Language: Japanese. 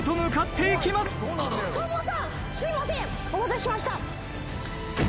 お待たせしました。